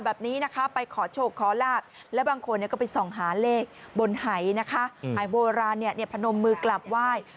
แบบนี้นะคะไปขอโชคขอราบแล้วบางคนเนี่ยก็ไปส่องหาเลขบนไหยนะคะอืมไหยโบราณเนี่ยเนี่ยพนมมือกลับไหว้